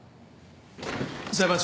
裁判長。